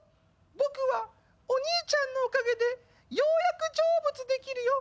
僕はお兄ちゃんのおかげでようやく成仏できるよ。